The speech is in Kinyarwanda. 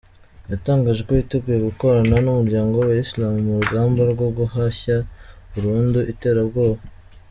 Yatangaje ko yiteguye gukorana n’umuryango w’abayisilamu mu rugamba rwo guhashya burundu iterabwoba.